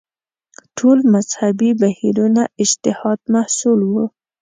ټول مذهبي بهیرونه اجتهاد محصول وو